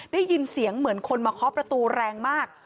ได้ยินเสียงเหมือนคนมาเคาะประตูแรงมาก